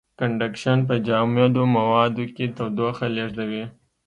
کنډکشن په جامدو موادو کې تودوخه لېږدوي.